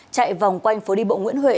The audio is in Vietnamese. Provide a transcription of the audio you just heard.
chạy vòng quanh phố đi bộ nguyễn huệ